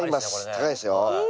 高いですよ。